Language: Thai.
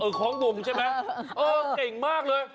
คล้องวงใช่ไหมเออเก่งมากเลย